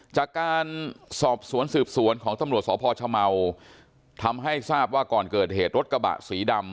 จากการสอบสวนสืบสวนของตำรวจสพชเมาทำให้ทราบว่าก่อนเกิดเหตุรถกระบะสีดำ